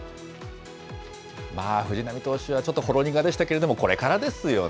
藤浪投手はちょっとほろにがでしたけれども、これからですよね。